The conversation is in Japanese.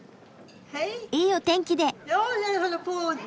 いいお天気で！